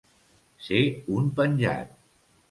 Ser un penjat.